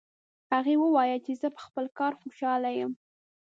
هغې وویل چې زه په خپل کار خوشحاله یم